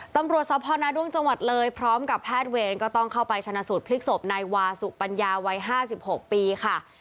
ตำรวจสพนาด้วงจังหวัดเลยพร้อมกับแพทย์เวรก็ต้องเข้าไปชนะสูตรพลิกศพนายวาสุปัญญาวัย๕๖ปีค่ะ